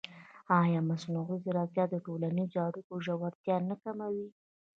ایا مصنوعي ځیرکتیا د ټولنیزو اړیکو ژورتیا نه کموي؟